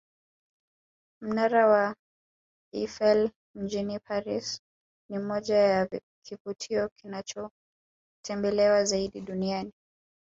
Mnara wa Eifel mjini Paris ni mmoja ya kivutio kinachotembelewa zaidi duniani